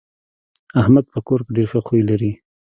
احمد په کور کې ډېر ښه خوی لري.